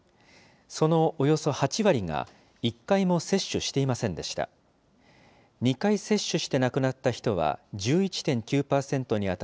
そのおよそ８割が１回も接種していませんでした。